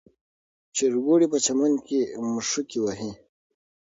چرګوړي په چمن کې مښوکې وهي.